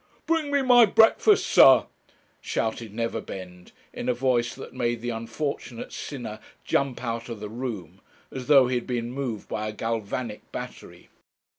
'Bring me my breakfast, sir,' shouted Neverbend, in a voice that made the unfortunate sinner jump out of the room, as though he had been moved by a galvanic battery.